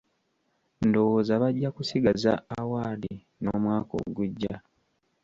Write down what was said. Ndowooza bajja kusigaza awaadi n'omwaka ogujja.